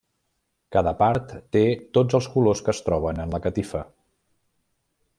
Cada part té tots els colors que es troben en la catifa.